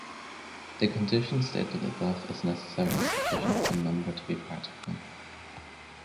The condition stated above is necessary and sufficient for a number to be practical.